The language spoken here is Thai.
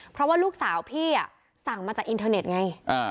เพราะว่าลูกสาวพี่สั่งมาจากอินเทอร์เน็ตไง